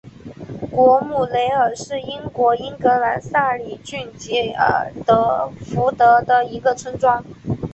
果姆雪尔是英国英格兰萨里郡吉尔福德的一个村庄。